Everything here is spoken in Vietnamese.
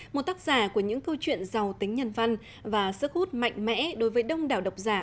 một tác giả của những câu chuyện giàu tính nhân văn và sức hút mạnh mẽ đối với đông đảo độc giả